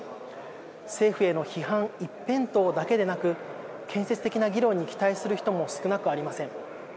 政府への批判一辺倒だけでなく建設的な議論に期待する人も少なくありません。